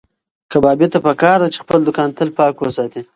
کبابي ته پکار ده چې خپل دوکان تل پاک وساتي.